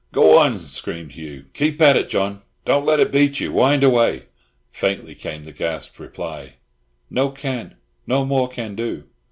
"Go on!" screamed Hugh. "Keep at it, John! Don't let it beat you! Wind away!" Faintly came the gasped reply, "No can! No more can do!"